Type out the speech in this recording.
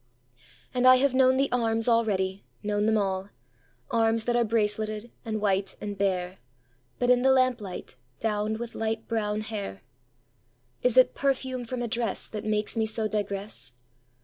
And I have known the arms already, known them all—Arms that are braceleted and white and bare(But in the lamplight, downed with light brown hair!)Is it perfume from a dressThat makes me so digress?